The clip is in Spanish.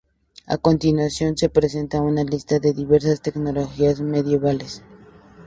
A continuación, se presenta una lista de diversas tecnologías medievales.